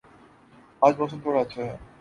آج موسم تھوڑا اچھا ہے